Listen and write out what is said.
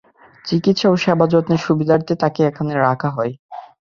চিকিৎসা ও সেবা যত্নের সুবিধার্থে তাকে এখানে রাখা হয়।